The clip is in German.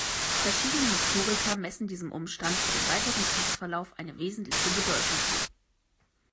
Verschiedene Historiker messen diesem Umstand für den weiteren Kriegsverlauf eine wesentliche Bedeutung zu.